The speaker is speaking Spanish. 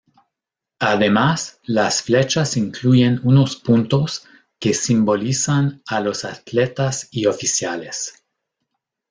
Además, las flechas incluyen unos puntos que simbolizan a los atletas y oficiales.